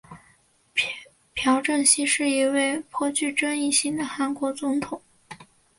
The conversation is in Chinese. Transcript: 朴正熙是一位颇具争议性的韩国总统。